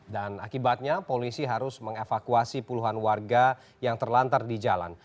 dan akibatnya polisi harus mengevakuasi puluhan warga yang terlantar di jalan